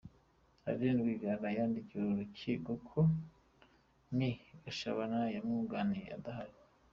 Adeline Rwigara yandikiye urukiko ko Me Gashabana yamwunganira adahari.